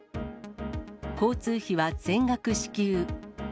交通費は全額支給。